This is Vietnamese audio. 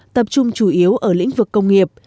tập trung chủ yếu ở lĩnh vực công nghiệp